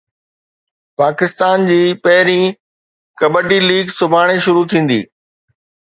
پاڪستان جي پهرين ڪبڊي ليگ سڀاڻي شروع ٿيندي